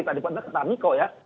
tadi pun kita ketahui kok ya